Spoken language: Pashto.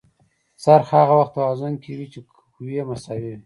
څرخ هغه وخت توازن کې وي چې قوې مساوي وي.